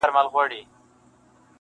• دا ټولنه به نو څنکه اصلاح کيږي..